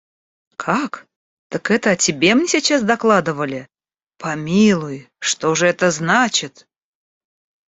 – Как! Так это о тебе мне сейчас докладывали? Помилуй! что ж это значит?